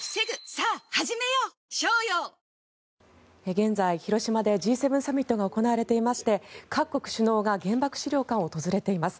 現在、広島でＧ７サミットが行われていまして各国首脳が原爆資料館を訪れています。